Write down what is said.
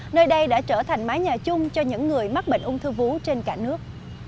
nơi đây đã trở thành mái nhà chung cho những người mắc bệnh ung thư vú trên cả nước